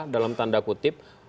dalam tanda kutip